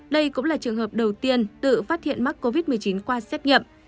đây cũng là trường hợp đầu tiên tự phát hiện mắc covid một mươi chín qua xét nghiệm